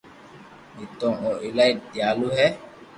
نيتوڙ او ايلائي ديالو ھي